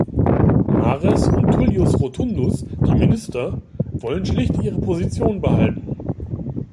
Mares und Tullius Rotundus, die Minister, wollen schlicht ihre Position behalten.